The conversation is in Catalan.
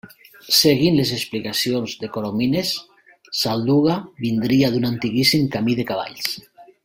Seguint les explicacions de Coromines, Solduga vindria d'un antiquíssim camí de cavalls.